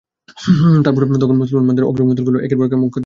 তখন মুসলমানদের অগ্রগামী দলগুলো একের পর এক মক্কার দিকে যাচ্ছে।